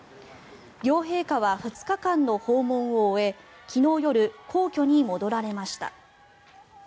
両陛下は２０日間の訪問を終え昨日夜、皇居に戻られました。